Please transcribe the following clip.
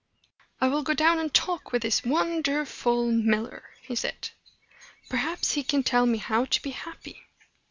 "I will go down and talk with this won der ful miller," he said. "Perhaps he can tell me how to be happy."